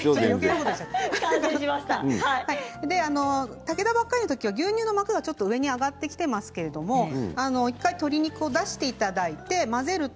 炊くときは牛乳の膜は上に上がってきていますが１回、鶏肉を出していただいて混ぜると